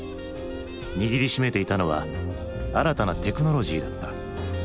握りしめていたのは新たなテクノロジーだった。